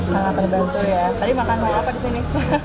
sangat membantu ya tadi makan apa disini